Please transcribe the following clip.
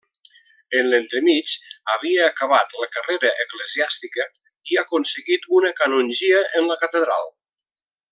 En l'entremig havia acabat la carrera eclesiàstica i aconseguit una canongia en la catedral.